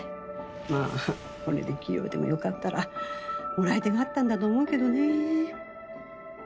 まあこれで器量でもよかったらもらい手があったんだと思うけどね。